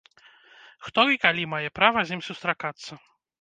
Хто і калі мае права з ім сустракацца?